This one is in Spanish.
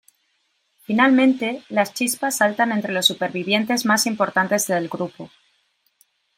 Finalmente, las chispas saltan entre los supervivientes más importantes del grupo.